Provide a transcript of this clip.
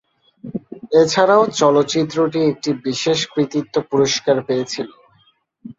এছাড়াও, চলচ্চিত্রটি একটি বিশেষ কৃতিত্ব পুরস্কার পেয়েছিল।